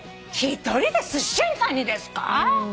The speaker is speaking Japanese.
１人ですし屋さんにですか？